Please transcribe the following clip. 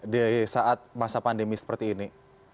di saat masa pandemi seperti ini